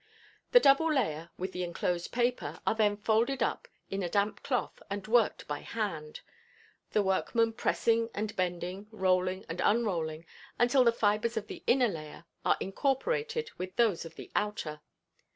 The double layer, with the enclosed paper, are then folded up in a damp cloth and worked by hand; the workman pressing and bending, rolling and unrolling, until the fibers of the inner layer are incorporated with those of the outer.